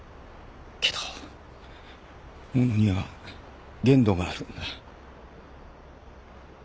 けどものには限度があるんだ。